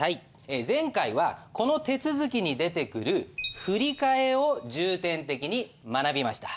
前回はこの手続きに出てくる振り替えを重点的に学びました。